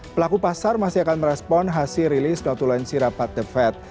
pelaku pasar masih akan merespon hasil rilis notulensi rapat the fed